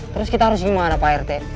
terus kita harus gimana pak rt